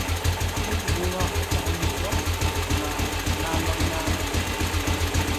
Akeegugungo ako kamannyidwa nga namba munana.